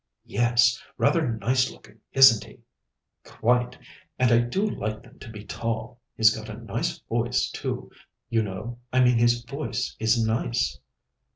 "Yes. Rather nice looking, isn't he?" "Quite, and I do like them to be tall. He's got a nice voice, too. You know I mean his voice is nice."